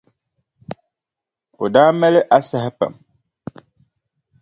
O daa mali asahi pam.